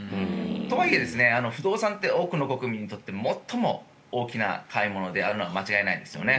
とはいえ、不動産って多くの国民にとって最も大きな買い物であるのは間違いないんですよね。